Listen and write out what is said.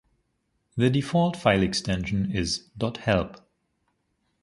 The default file extension is ".help".